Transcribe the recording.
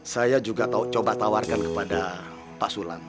saya juga coba tawarkan kepada pak sulam